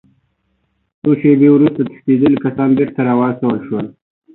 څو شېبې وروسته تښتېدلي کسان بېرته راوستل شول